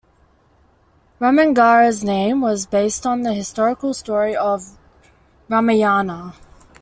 Ramanagara's name was based on the historical story of the ramayana.